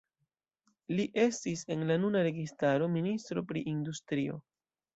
Li estis en la nuna registaro ministro pri industrio.